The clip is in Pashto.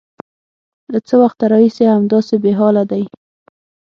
_له څه وخته راهيسې همداسې بېحاله دی؟